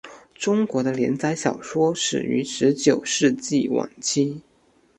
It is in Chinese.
中国的连载小说始于十九世纪晚期。